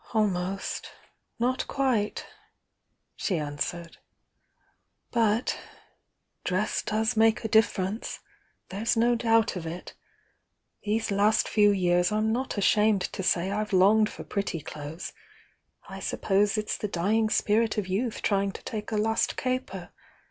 "Almost!— not quite!" she answered. "But^ 'dress does make a difference!' — there's no doubt of it! These last few years I'm not ashamed to say I've longed for pretty clothes— I suppose it's the dy ing spirit of youth trying to take a last caper!